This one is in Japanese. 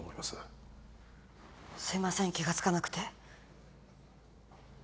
すいません気が付かなくて。